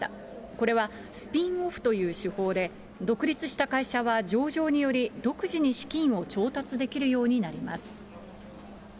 これはスピンオフという手法で、独立した会社は上場により、独自に資金を調達できるようになります。